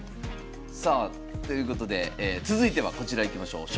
さあということで続いてはこちらいきましょう。